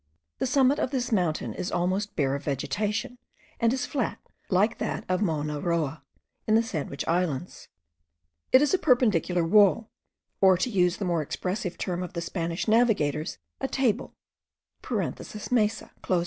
The summit of this mountain is almost bare of vegetation, and is flat like that of Mowna Roa, in the Sandwich Islands. It is a perpendicular wall, or, to use a more expressive term of the Spanish navigators, a table (mesa).